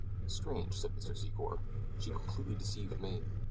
"Strange," said Mr. Secor; "she completely deceived me.